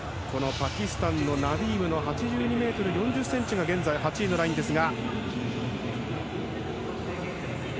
パキスタンのナディームの８２ｍ４０ｃｍが現在、８位のラインですが。